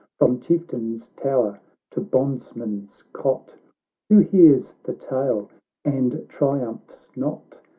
— From chieftain's tower to bondsman's cot, Who hears the tale, and triumphs not